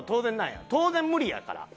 当然無理やから。